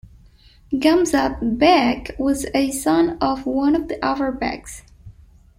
Gamzat-bek was a son of one of the Avar beks.